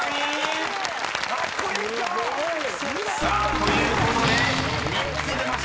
［ということで３つ出ました］